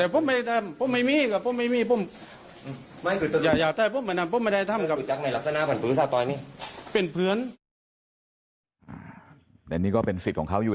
ผมไม่มีกันผมไม่มีเพียงเท่านี้ก็เป็นสิทธิ์ของเขาอยู่